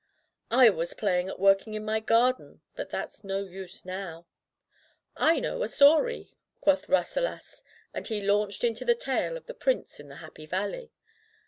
" I was playing at working in my garden, but that's no use now." "I know a story," quoth Rasselas, and he launched into the tale of the prince in the Happy Valley.